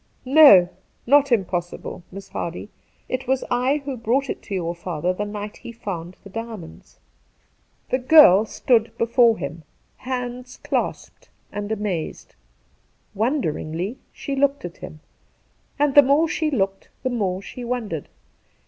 ~/' No, not impossible. Miss Hardy. It was I who brought it to your father the night he found the diamonds !' 204 Two Christmas Days ' The girl stood before him, hands clasped, and amazed. Wonderingly she looked at him, and the more she looked the more she wondered.